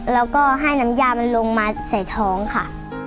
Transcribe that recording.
แล้วก็ให้น้ำยามันลงมาใส่ท้องค่ะ